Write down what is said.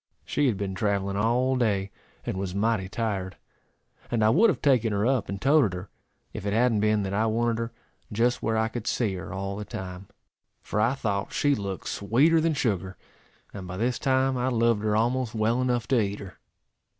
She had been travelling all day, and was mighty tired; and I would have taken her up, and toated her, if it hadn't been that I wanted her just where I could see her all the time, for I thought she looked sweeter than sugar; and by this time I loved her almost well enough to eat her.